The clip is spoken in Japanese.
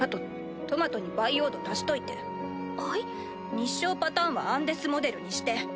日照パターンはアンデスモデルにして。